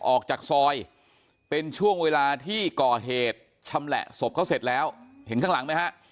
ออกจากซอยเป็นช่วงเวลาที่ก่อเหตุชำแหละศพเขาเสร็จแล้วเห็นข้างหลังไหมฮะ